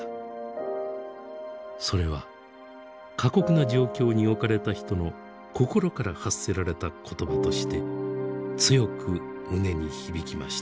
それは過酷な状況に置かれた人の心から発せられた言葉として強く胸に響きました。